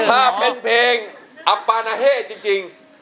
ถ้าเป็นเพลงอับปานาเฮศจริง